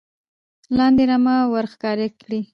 لاندې رمه ور ښکاره کړي